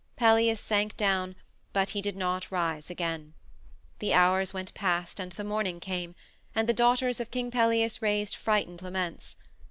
Pelias sank down, but he did not rise again. The hours went past and the morning came, and the daughters of King Pelias raised frightened laments.